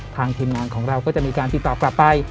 ทีมงานของเราก็จะมีการติดต่อกลับไป